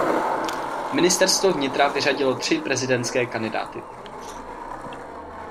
Ministerstvo vnitra vyřadilo tři prezidentské kandidáty.